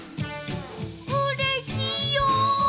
うれしいよ！